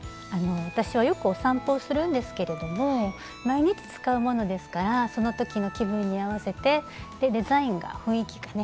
私はよくお散歩をするんですけれども毎日使うものですからその時の気分に合わせてデザインが雰囲気がね